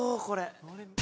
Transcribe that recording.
これ。